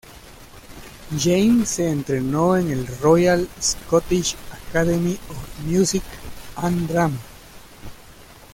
James se entrenó en el "Royal Scottish Academy of Music and Drama".